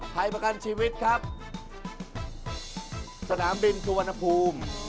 ไทยประกันชีวิตครับสนามบินสุวรรณภูมิ